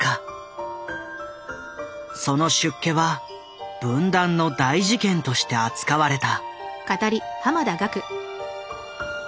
その出家は文壇の大事件として扱われた。